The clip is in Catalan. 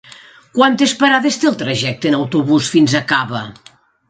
Quantes parades té el trajecte en autobús fins a Cava?